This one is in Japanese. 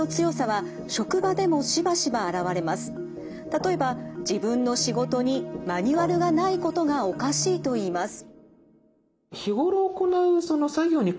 例えば自分の仕事にマニュアルがないことがおかしいといいます。